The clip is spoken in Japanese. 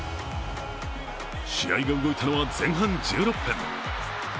試合が動いたのは前半１６分。